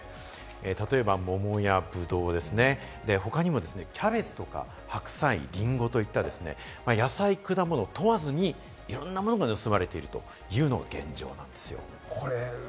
例えば桃やブドウ、他にもキャベツとか白菜、リンゴといった、野菜、果物、問わずにいろんなものが盗まれているというのが現状なんですよね。